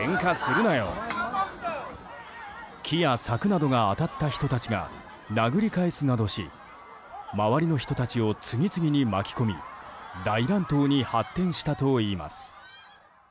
木や柵などが当たった人たちが殴り返すなどし周りの人たちを次々に巻き込み大乱闘に発展したといいます。